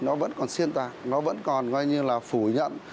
nó vẫn còn xiên tạc nó vẫn còn gọi như là phủ nhận